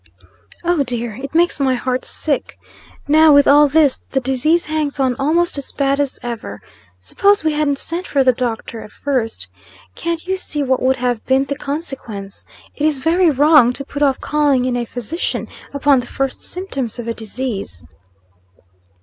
Oh, dear! It makes my heart sick. Now, with all this, the disease hangs on almost as bad as ever. Suppose we hadn't sent for the doctor at first? Can't you see what would have been the consequence? It is very wrong to put off calling in a physician upon the first symptoms of a disease."